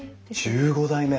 １５代目！